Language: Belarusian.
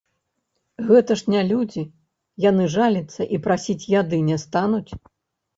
Гэта ж не людзі, яны жаліцца і прасіць яды не стануць.